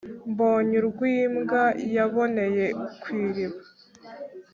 mbonye urw'imbwa yaboneye kw'iriba